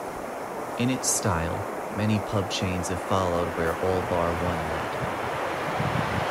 In its style, many pub chains have followed where All Bar One led.